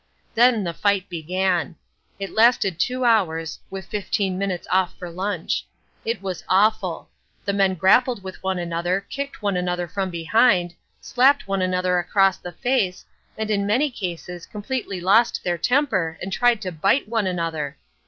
Then the fight began. It lasted two hours—with fifteen minutes off for lunch. It was awful. The men grappled with one another, kicked one another from behind, slapped one another across the face, and in many cases completely lost their temper and tried to bite one another.